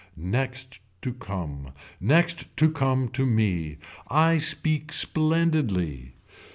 Next to come. Next to come to me. I speak splendidly.